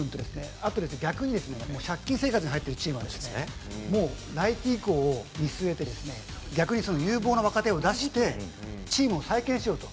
あと逆に借金生活に入ってるチームは来季以降を見据えて、逆に有望な若手を出して、チームを再建しようと。